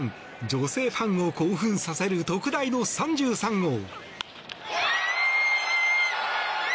女性ファンを興奮させる特大の３３号。